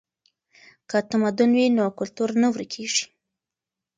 که تمدن وي نو کلتور نه ورکیږي.